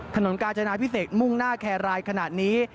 กาจนาพิเศษมุ่งหน้าแครรายขนาดนี้